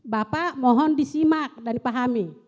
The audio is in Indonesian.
bapak mohon disimak dan dipahami